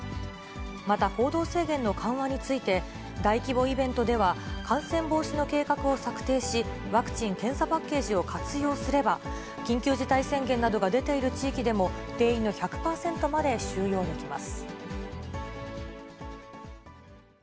また、行動制限の緩和について、大規模イベントでは、感染防止の計画を策定し、ワクチン・検査パッケージを活用すれば、緊急事態宣言などが出ている地域でも、定員の１００％まで収容できます。